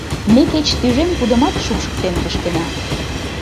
Ме кеч тӱжем пудымат шупшыктен кышкена...